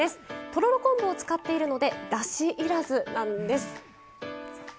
とろろ昆布を使っているのでだしいらずなんです。